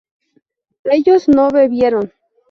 ellos no bebieron